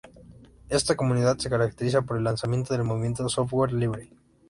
Esta comunidad se caracteriza por el lanzamiento del movimiento de software libre.